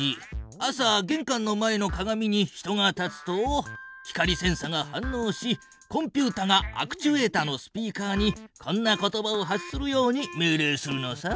朝げんかんの前の鏡に人が立つと光センサが反のうしコンピュータがアクチュエータのスピーカーにこんな言葉を発するように命令するのさ。